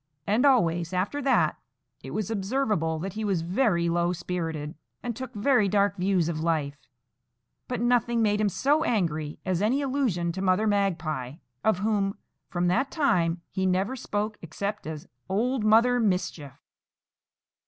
And always after that it was observable that he was very low spirited, and took very dark views of life; but nothing made him so angry as any allusion to Mother Magpie, of whom, from that time, he never spoke except as Old Mother Mischief.